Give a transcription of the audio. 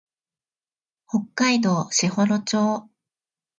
北海道士幌町